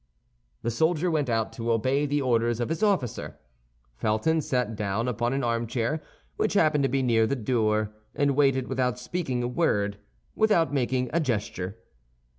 The soldier went out to obey the orders of his officer. Felton sat down upon an armchair which happened to be near the door, and waited without speaking a word, without making a gesture.